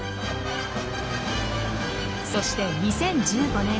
そして２０１５年。